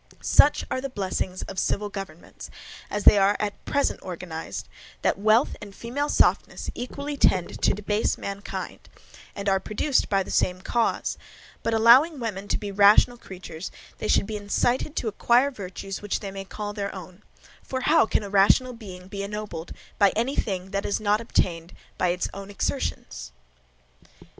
Such are the blessings of civil governments, as they are at present organized, that wealth and female softness equally tend to debase mankind, and are produced by the same cause; but allowing women to be rational creatures they should be incited to acquire virtues which they may call their own, for how can a rational being be ennobled by any thing that is not obtained by its OWN exertions?